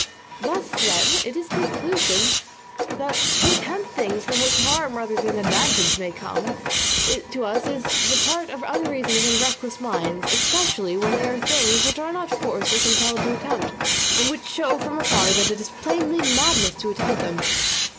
Thus, then, it is conclusive that to attempt things from which harm rather than advantage may come to us is the part of unreasoning and reckless minds, more especially when they are things which we are not forced or compelled to attempt, and which show from afar that it is plainly madness to attempt them.